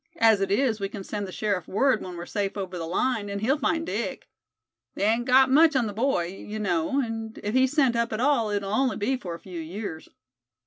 As it is, we can send the sheriff word when we're safe over the line, and he'll find Dick. They ain't got much on the boy, you know; and if he's sent up at all, it'd only be for a few years."